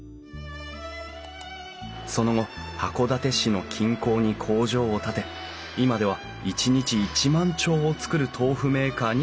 その後函館市の近郊に工場を建て今では一日１万丁を作る豆腐メーカーに成長。